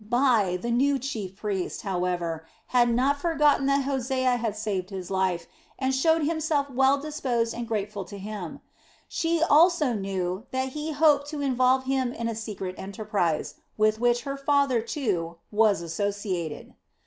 Bai, the new chief priest, however, had not forgotten that Hosea had saved his life and showed himself well disposed and grateful to him; she knew also that he hoped to involve him in a secret enterprise, with which her father, too, was associated.